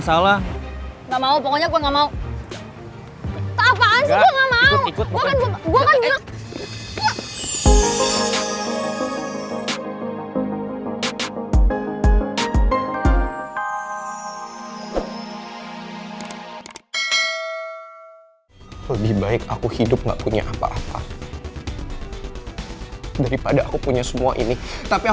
silahkan bapak ambil semuanya